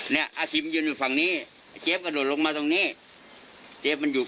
เนี้ยอธิมยืนอยู่ฝั่งนี้เจฟกระโดดลงมาตรงนี้เจฟมันอยู่